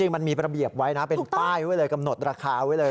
มันมีระเบียบไว้นะเป็นป้ายไว้เลยกำหนดราคาไว้เลย